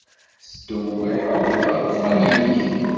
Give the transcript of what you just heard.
Telliḍ tettdewwiḥeḍ alufan-nnek.